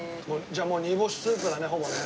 じゃあもう煮干しスープだねほぼね。